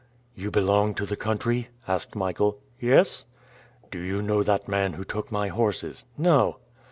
"You belong to the country?" asked Michael. "Yes." "Do you know that man who took my horses?" "No."